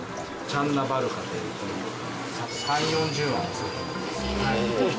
チャンナバルカという３０４０万する。